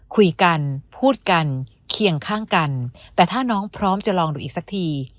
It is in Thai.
คุยกันพูดกันเคียงข้างกันแต่ถ้าน้องพร้อมจะลองดูอีกสักที